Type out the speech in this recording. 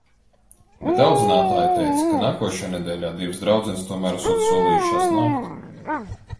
Bet audzinātāja teica, ka nākošajā nedēļā divas draudzenes tomēr esot solījušās nākt.